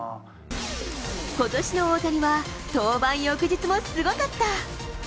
ことしの大谷は、登板翌日もすごかった。